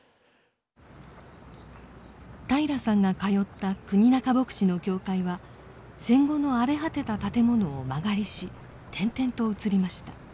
平良さんが通った国仲牧師の教会は戦後の荒れ果てた建物を間借りし転々と移りました。